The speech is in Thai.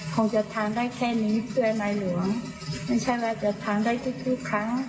คงจะทานได้แค่นี้เพื่อให้นายหลวงไม่ใช่ว่าจะทานได้ทุกทุกครั้ง